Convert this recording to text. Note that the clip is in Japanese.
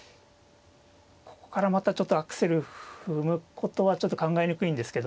ここからまたちょっとアクセル踏むことはちょっと考えにくいんですけども。